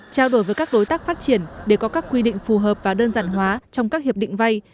trao đổi với các đối tác phát triển để có các quy định phù hợp và đơn giản hóa trong các hiệp định vay